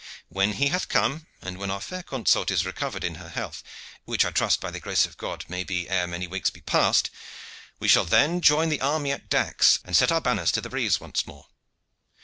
When he hath come, and when our fair consort is recovered in her health, which I trust by the grace of God may be ere many weeks be past, we shall then join the army at Dax, and set our banners to the breeze once more."